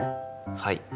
はい。